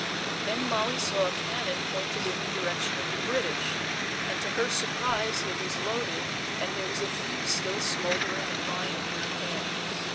Then Molly saw a cannon pointed in the direction of the British, and to her surprise it was loaded and there was a fuse still smoldering and lying near at hand.